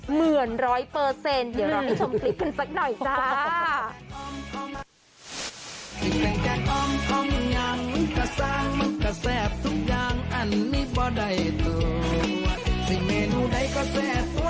เหมือนร้อยเปอร์เซ็นต์เดี๋ยวเราไปชมคลิปกันสักหน่อยค่ะ